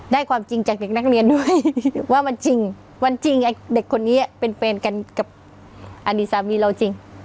ความจริงจากเด็กนักเรียนด้วยว่ามันจริงมันจริงไอ้เด็กคนนี้เป็นแฟนกันกับอดีตสามีเราจริง